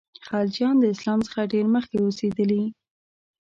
خلجیان د اسلام څخه ډېر مخکي اوسېدلي.